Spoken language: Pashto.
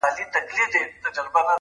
وايه څرنگه پرته وي پړسېدلې؛